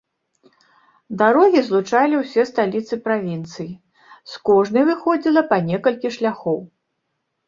Дарогі злучалі ўсе сталіцы правінцый, з кожнай выходзіла па некалькі шляхоў.